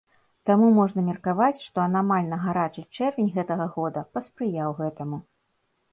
Таму можна меркаваць, што анамальна гарачы чэрвень гэтага года паспрыяў гэтаму.